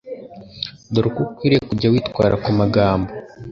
Dore uko ukwiye kujya witwara ku magambo